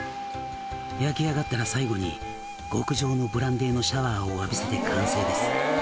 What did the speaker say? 「焼き上がったら最後に極上のブランデーのシャワーを浴びせて完成です」